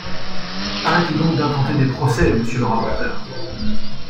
Arrêtez donc d’intenter des procès, monsieur le rapporteur.